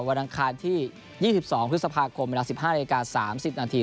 วันอังคารที่๒๒พฤษภาคมเป็นลักษณ์๑๕นาที๓๐นาที